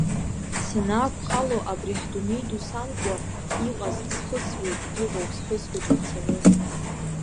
Санаақәхало абри ҳдунеи ду самкуа, иҟаз схысуеит, иҟоу схысуеит имцаны…